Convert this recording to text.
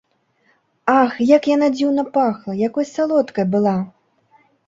Ах, як яна дзіўна пахла, якой салодкай была!